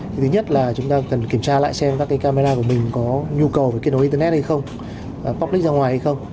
thứ nhất là chúng ta cần kiểm tra lại xem các camera của mình có nhu cầu kết nối internet hay không public ra ngoài hay không